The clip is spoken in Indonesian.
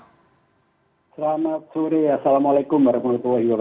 selamat sore assalamualaikum wr wb